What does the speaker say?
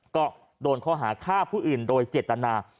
ก็โดนข้อหาฆ่าผู้อื่นโดยเจตนา